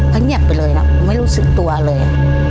ก็เงียบไปเลยนะไม่รู้สึกตัวเลย